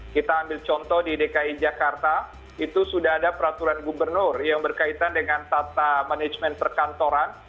kita ambil contoh di dki jakarta itu sudah ada peraturan gubernur yang berkaitan dengan tata manajemen perkantoran